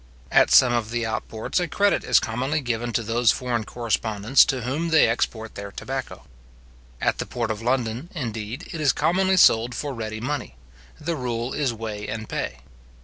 At some of the outports a credit is commonly given to those foreign correspondents to whom they export them tobacco. At the port of London, indeed, it is commonly sold for ready money: the rule is Weigh and pay.